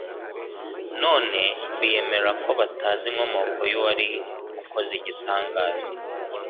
none biyemerera ko batazi inkomoko y'uwari ukoze igitangaza,